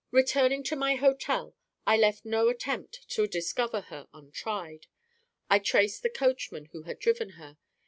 Returning to my hotel, I left no attempt to discover her untried. I traced the coachman who had driven her.